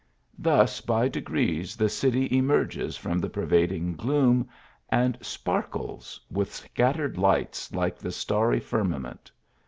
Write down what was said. Thus by degrees the city emerges from the per vading gloom, and sparkles with scattered lights like the starry firmament.